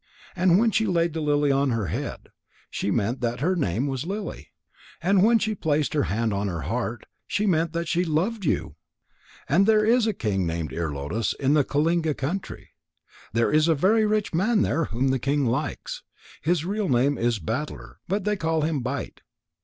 And when she laid the lily on her head, she meant that her name was Lily. And when she placed her hand on her heart, she meant that she loved you. And there is a king named Ear lotus in the Kalinga country. There is a very rich man there whom the king likes. His real name is Battler, but they call him Bite.